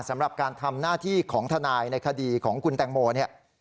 สำหรับการทำหน้าที่ของทนายในคดีของคุณแตงโมเนี่ย